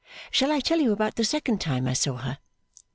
Shall I tell you about the second time I saw her?